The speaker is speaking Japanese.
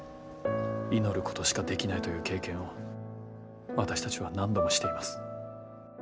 祈ることしかできないという経験を私たちは何度もしています。